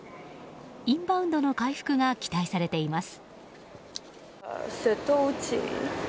インバウンドの回復が期待されています。